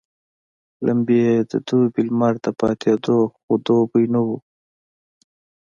لمبې يې د دوبي لمر ته پاتېدې خو دوبی نه وو.